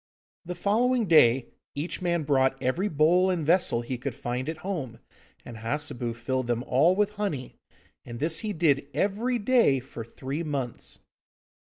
The following day each man brought every bowl and vessel he could find at home, and Hassebu filled them all with honey. And this he did every day for three months.